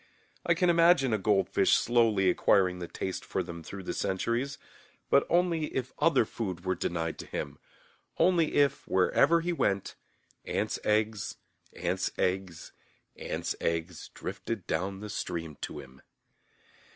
I can imagine a goldfish slowly acquiring the taste for them through the centuries, but only if other food were denied to him, only if, wherever he went, ants' eggs, ants' eggs, ants' eggs drifted down the stream to him.